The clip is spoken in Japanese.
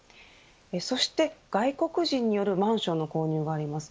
そして外国人によるマンションの購入があります。